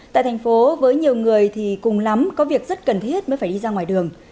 tại thành phố với nhiều người thì cùng lắm có việc rất cần thiết mới phải đi ra ngoài đường